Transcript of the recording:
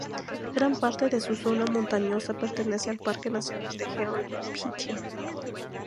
Gran parte de su zona montañosa pertenece al Parque Nacional Henri Pittier.